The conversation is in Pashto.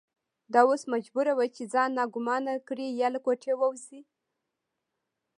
دا اوس مجبوره وه چې ځان ناګومانه کړي یا له کوټې ووځي.